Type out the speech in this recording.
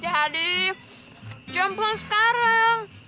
jadi jom pulang sekarang